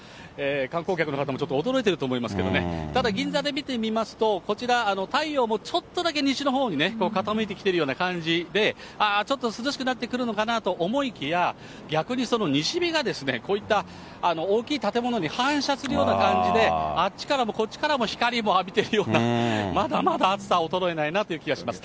観光客の方もちょっと驚いてると思いますけどね、ただ、銀座で見てみますと、こちら、太陽もちょっとだけ西のほうにね、傾いてきてるような感じで、ああ、ちょっと涼しくなってくるのかなと思いきや、逆にその西日がですね、こういった大きい建物に反射するような感じで、あっちからもこっちからも光を浴びているような、まだまだ暑さ衰えないなという気はします。